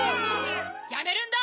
やめるんだ！